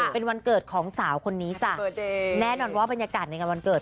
เป็นวันเกิดของสาวคนนี้จ้ะแน่นอนว่าบรรยากาศในงานวันเกิด